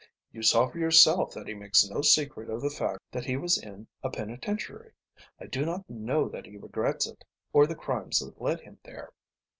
You saw for yourself that he makes no secret of the fact that he was in a penitentiary. I do not know that he regrets it or the crimes that led him there.